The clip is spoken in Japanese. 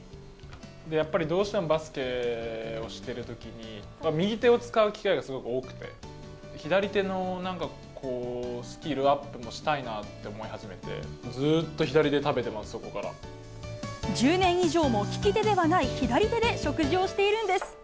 で、やっぱりどうしてもバスケをしてるときに、右手を使う機会が多くて、左手のなんかこう、スキルアップもしたいなって思い始めて、１０年以上も利き手ではない左手で食事をしているんです。